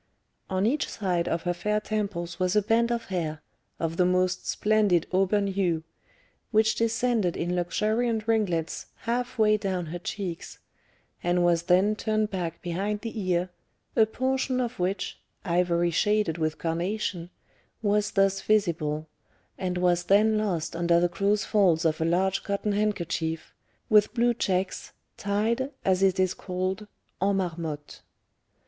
On each side of her fair temples was a band of hair, of the most splendid auburn hue, which descended in luxuriant ringlets half way down her cheeks, and was then turned back behind the ear, a portion of which ivory shaded with carnation was thus visible, and was then lost under the close folds of a large cotton handkerchief, with blue checks, tied, as it is called, en marmotte.